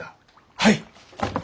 はい！